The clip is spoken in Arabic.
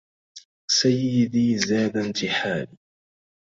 سيدي زاد انتحالي